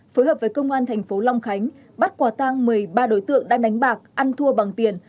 phối hợp với công an thành phố long khánh bắt quả tang một mươi ba đối tượng đang đánh bạc ăn thua bằng tiền